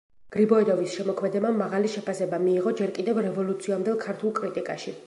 გრიბოედოვის შემოქმედებამ მაღალი შეფასება მიიღო ჯერ კიდევ რევოლუციამდელ ქართულ კრიტიკაში.